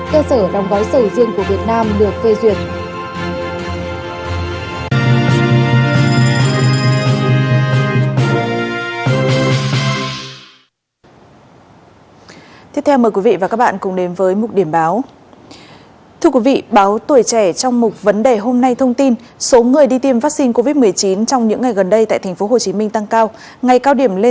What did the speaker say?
cùng với danh sách khắp vùng trồng cơ sở đồng gói sầu riêng của việt nam được phê duyệt